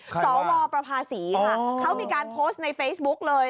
สวประภาษีค่ะเขามีการโพสต์ในเฟซบุ๊กเลย